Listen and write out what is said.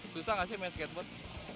susah nggak sih main skateboard